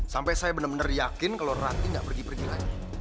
sampai saya bener bener yakin kalau rati gak pergi pergi lagi